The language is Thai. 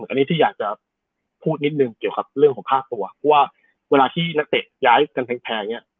อันนี้ที่อยากจะพูดนิดนึงอยู่เกี่ยวกับเรื่องของภาคตัวว่าเวลาที่นักเตะย้ายกันแผง